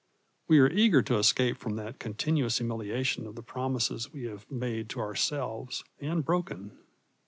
We are eager to escape from that continuous humiliation of the promises we have made to ourselves and broken.